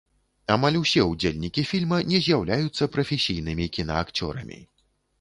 Амаль усе ўдзельнікі фільма не з'яўляюцца прафесійнымі кінаакцёрамі.